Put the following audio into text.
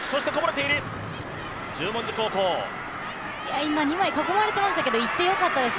今、二枚囲まれてましたけどいってよかったですね。